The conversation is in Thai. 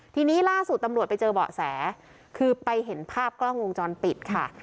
ทีนี้ล่าสุดตำรวจไปเจอเบาะแสคือไปเห็นภาพกล้องวงจรปิดค่ะ